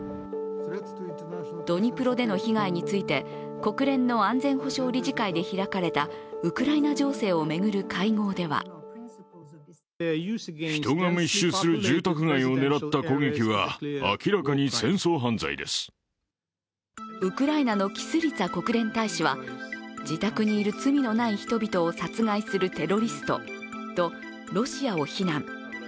ドニプロでの被害について、国連の安全保障理事会で開かれたウクライナ情勢を巡る会合ではウクライナのキスリツァ国連大使は自宅にいる罪のない人々を殺害するテロリストと、ロシアを非難。